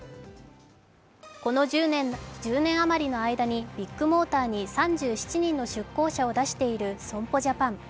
この１０年余りの間にビッグモーターに３７人の出向者を出している損保ジャパン。